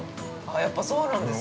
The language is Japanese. ◆やっぱり、そうなんですか。